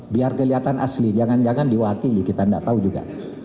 biar kelihatan asli jangan jangan diwakili kita nggak tahu juga